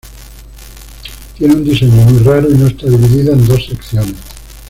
Tiene un diseño muy raro y no está dividida en dos secciones.